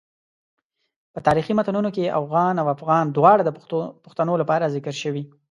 په تاریخي متونو کې اوغان او افغان دواړه د پښتنو لپاره ذکر شوي.